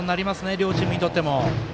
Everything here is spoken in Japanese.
両チームにとっても。